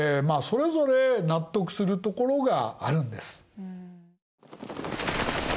それぞれ納得するところがあるんです。